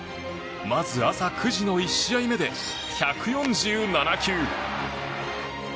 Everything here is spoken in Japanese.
まず、朝９時の１試合目で１４７球。